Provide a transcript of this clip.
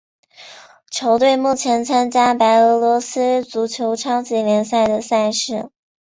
球队目前参加白俄罗斯足球超级联赛的赛事。